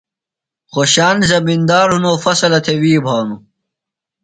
خوشان زمندار ہِنوۡ، فصلہ تھےۡ وی بھانوۡ